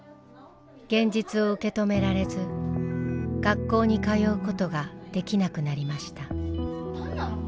現実を受け止められず学校に通うことができなくなりました。